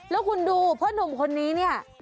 แล้วคุณดูผ้าถุงคนนี้เนี่ย